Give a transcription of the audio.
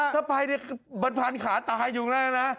ถ้าภายในบนพันธุ์ขาตายอยู่ในแรกนะ